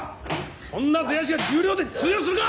そんな出足が十両で通用するか！